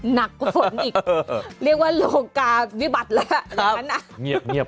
หนักกว่าฝนอีกเรียกว่าโลกาวิบัติแล้วอย่างนั้นอ่ะเงียบ